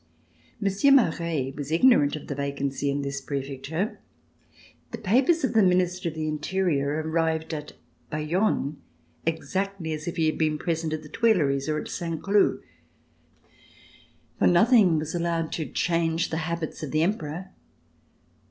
Monsieur Maret was ignorant of the vacancy in this prefecture. The papers of the Minister of the Interior arrived at Bayonne, exactly as if he had been present at the Tuiicries or at Saint Cloud, for nothing was allowed to change the habits of the Emperor.